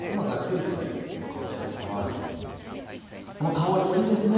この香りもいいですね。